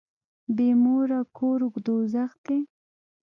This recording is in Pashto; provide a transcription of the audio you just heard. بي موره کور دوږخ دی.